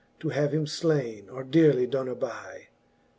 To have him (laine, or dearely doen aby.